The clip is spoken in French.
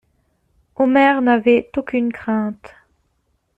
Omer n'avait aucune crainte.